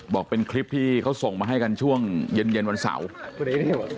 บอกเป็นคลิปที่เขาส่งมาให้กันช่วงเย็นเย็นวันเสาร์